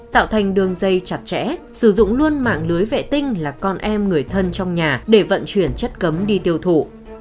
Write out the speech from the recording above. tạo thành đường dây chặt chẽ sử dụng luôn mạng lưới vệ tinh là con em người thân trong nhà để vận chuyển chất cấm đi tiêu thụ